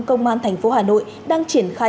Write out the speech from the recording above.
công an thành phố hà nội đang triển khai